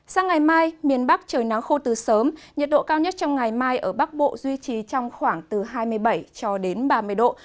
sang ngày mai miền bắc trời nắng khô từ sớm nhiệt độ cao nhất trong ngày mai ở bắc bộ duy trì trong khoảng từ hai mươi bảy cho đến ba mươi độ